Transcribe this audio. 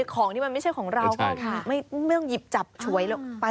ของที่มันไม่ใช่ของเราก็ว่าค่ะไม่ต้องหยิบจับชวย